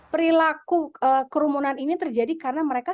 perilaku kerumunan ini terjadi karena mereka